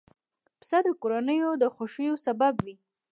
پسه د کورنیو د خوښیو سبب وي.